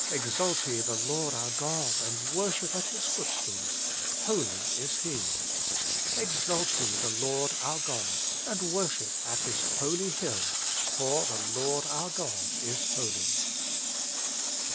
Exalt ye the Lord our God, and worship at His footstool : HOLY is HE. Exalt ye the Lord our God, and worship at His holy hill : For the Lord our God is HOLY.